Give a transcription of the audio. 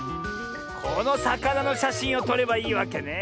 このさかなのしゃしんをとればいいわけね。